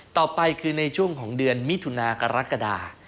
ต่อไปคือในช่วงของเดือนมิถุนากรกฎา